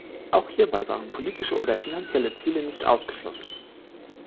Auch hierbei waren politische oder finanzielle Ziele nicht ausgeschlossen.